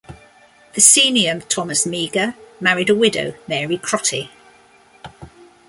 The senior Thomas Meagher married a widow, Mary Crotty.